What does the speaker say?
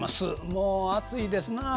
もう暑いですなあ。